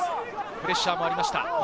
プレッシャーもありました。